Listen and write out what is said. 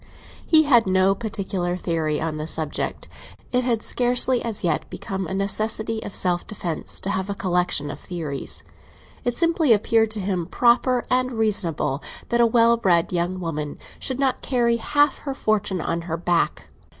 He had no particular theory on the subject; it had scarcely as yet become a necessity of self defence to have a collection of theories. It simply appeared to him proper and reasonable that a well bred young woman should not carry half her fortune on her back.